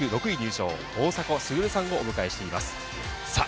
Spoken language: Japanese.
６位入賞、大迫傑さんをお迎えしています。